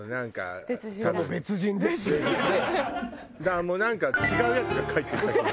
だからもうなんか違うヤツが帰ってきた。